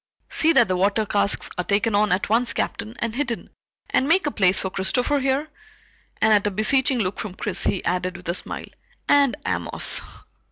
"See that the water casks are taken on at once, Captain, and hidden, and make a place for Christopher, here," and at a beseeching look from Chris he added with a smile, "and Amos."